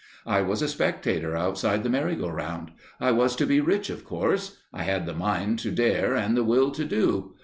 I was a spectator outside the merry go round. I was to be rich, of course; I had the mind to dare and the will to do.